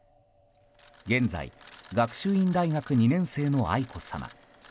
現在学習院大学２年生の愛子さま。